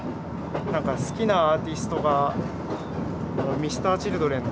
何か好きなアーティストがＭｒ．Ｃｈｉｌｄｒｅｎとか。